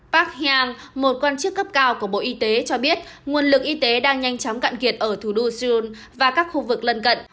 park hang một quan chức cấp cao của bộ y tế cho biết nguồn lực y tế đang nhanh chóng cạn kiệt ở thủ đô seoul và các khu vực lân cận